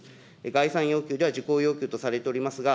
概算要求ではじこう要求とされておりますが、